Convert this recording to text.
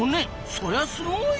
そりゃすごい！